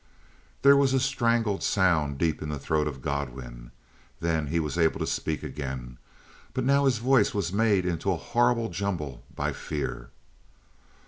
There was a strangled sound deep in the throat of Godwin; then he was able to speak again, but now his voice was made into a horrible jumble by fear.